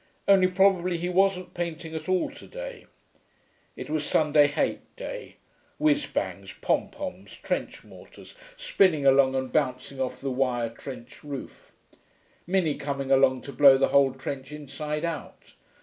Only probably he wasn't painting at all to day. It was Sunday hate day. Whizz bangs, pom poms, trench mortars spinning along and bouncing off the wire trench roof.... Minnie coming along to blow the whole trench inside out